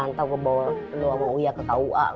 ntar gua bawa luamu'u ya ke kua lu